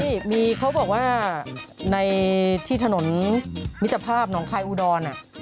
นี่มีเขาบอกว่าในที่ถนนมิตรภาพหนองคายอุดร